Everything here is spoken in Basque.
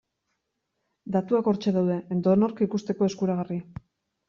Datuak hortxe daude edonork ikusteko eskuragarri.